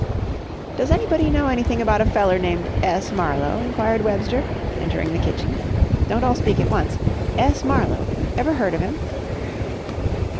"Does anybody know anything about a feller named S. Marlowe?" inquired Webster, entering the kitchen. "Don't all speak at once! S. Marlowe. Ever heard of him?"